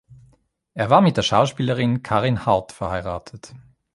Er war mit der Schauspielerin Karin Hardt verheiratet.